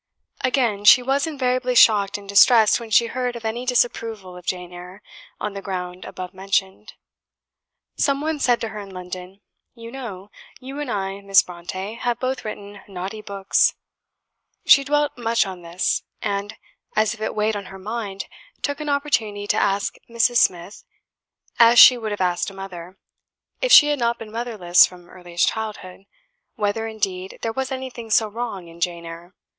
Again, she was invariably shocked and distressed when she heard of any disapproval of "Jane Eyre" on the ground above mentioned. Some one said to her in London, "You know, you and I, Miss Brontë, have both written naughty books!" She dwelt much on this; and, as if it weighed on her mind, took an opportunity to ask Mrs. Smith, as she would have asked a mother if she had not been motherless from earliest childhood whether, indeed, there was anything so wrong in "Jane Eyre."